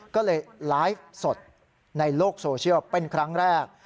ก็เลยไลฟ์สดในโลกโซเชียลเป็นครั้งแรก